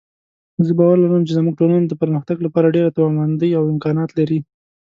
زه باور لرم چې زموږ ټولنه د پرمختګ لپاره ډېره توانمندۍ او امکانات لري